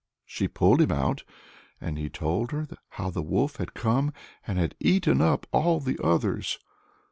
She pulled him out, and he told her how the wolf had come and had eaten up all the others.